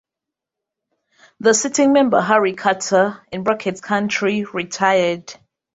The sitting member Harry Carter (Country) retired.